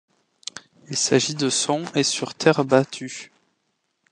Il s'agit de son et sur terre battue.